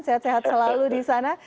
sehat sehat selalu di sana